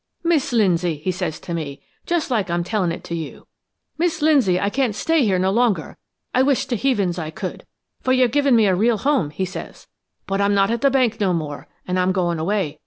"'Mis' Lindsay!' he says to me, just like I'm tellin' it to you. 'Mis' Lindsay, I can't stay here no longer. I wisht to heavings I could, for you've given me a real home,' he says, 'but I'm not at the bank no more, and I'm going away.